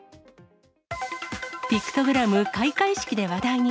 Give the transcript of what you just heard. ピクトグラム開会式で話題に。